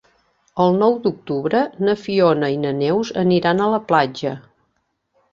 El nou d'octubre na Fiona i na Neus aniran a la platja.